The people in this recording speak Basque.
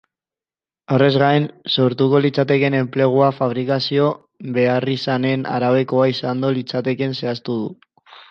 Horrez gain, sortuko litzatekeen enplegua fabrikazio beharrizanen araberakoa izango litzatekeela zehaztu du.